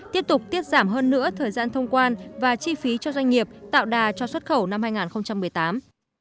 tiếp tục tiết giảm hơn nữa thời gian thông quan và chi phí cho doanh nghiệp tạo đà cho xuất khẩu năm hai nghìn một mươi tám